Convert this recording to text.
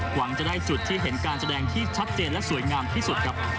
หวังจะได้จุดที่เห็นการแสดงที่ชัดเจนและสวยงามที่สุดครับ